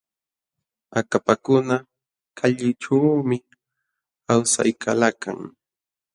Akapakuna kallićhuumi awsaykalakan.